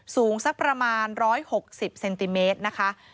สูงสักประมาณ๑๖๐เซนติเมตรนะคะ